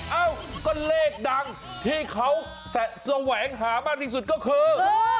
เอ้าก็เลขดังที่เขาแสวงหามากที่สุดก็คือ